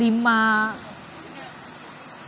lima jenazah yang sudah dikepung oleh kondisi